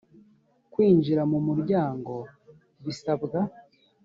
kwinjira mu muryango bisabwa